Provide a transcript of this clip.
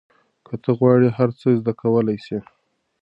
که ته وغواړې هر څه زده کولای سې.